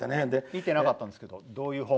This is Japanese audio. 見てなったんですけど。